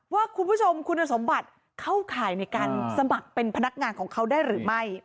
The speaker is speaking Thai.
ว่าคุณผู้ชมคุณสมบัติเข้าข่ายในการสมัครเป็นพนักงานของเขาได้หรือไม่